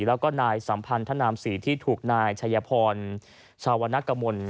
แล้วก็นายสัมพันธนามศรีที่ถูกนายชัยพรชาวนกมล